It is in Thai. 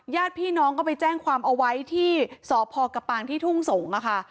ญาติพี่น้องก็ไปแจ้งความเอาไว้ที่สพกระปางที่ทุ่งสงศ์ค่ะ